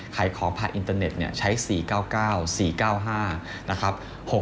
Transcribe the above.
ใครขอผ่านอินเตอร์เน็ตใช้๔๙๙๔๙๕นะครับ